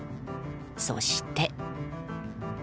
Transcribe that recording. そして。